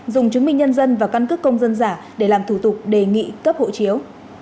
dùng chứng minh nhân dân và căn cước công dân giả để làm thủ tục đề nghị cấp hộ chiếu